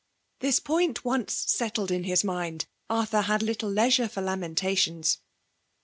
This point once settled in his mind, Arthur had little leisure for lamentations.